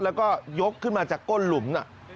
แล้วก็ยกขึ้นมาจากก้นหลุม